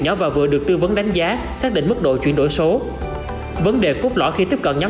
nhỏ và vừa được tư vấn đánh giá xác định mức độ chuyển đổi số vấn đề cốt lõi khi tiếp cận nhóm